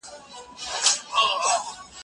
زه به اوږده موده د کتابتون کتابونه ولولم،